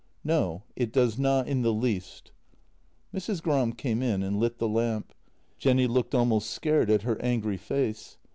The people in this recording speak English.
" No; it does not in the least." Mrs. Gram came in and lit the lamp. Jenny looked almost scared at her angry face.